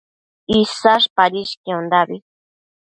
Isash padishquiondabi